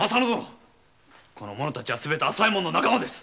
この者たちはすべて朝右衛門の仲間です。